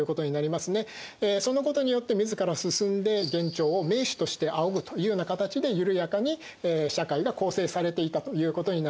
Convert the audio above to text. そのことによって自ら進んで元朝を盟主として仰ぐというような形でゆるやかに社会が構成されていたということになります。